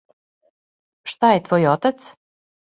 Шта је твој отац?